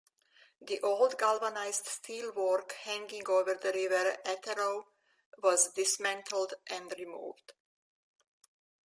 The old galvanised steelwork hanging over the River Etherow was dismantled and removed.